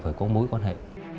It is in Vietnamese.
phải có mối quan hệ